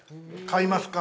買いますか？